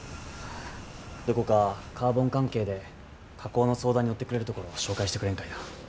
どこかカーボン関係で加工の相談に乗ってくれるところを紹介してくれんかいな。